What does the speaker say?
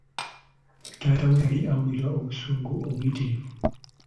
Taata we yali awulira obusungu obuyitirivu.